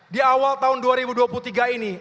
di awal tahun dua ribu dua puluh tiga ini